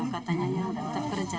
katanya tetap kerja